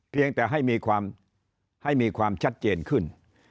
เพียงแต่ให้มีความให้มีความชัดเจนขึ้น